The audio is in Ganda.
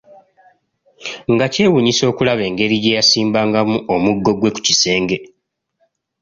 Nga kyewuunyisa okulaba engeri gye yasimbangamu omuggo gwe ku kisenge.